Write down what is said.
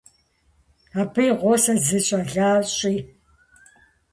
Абы и гъусэт зы щӀалэщӀи.